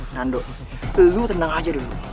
nando lu tenang aja dulu